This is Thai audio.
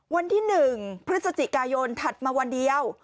วันที่๑พฤศจิกายนถัดมาวันเดียว